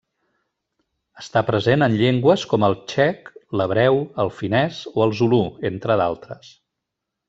Està present en llengües com el txec, l'hebreu, el finès o el zulú, entre d'altres.